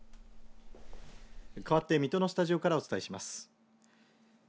かわって水戸のスタジオからお伝えします。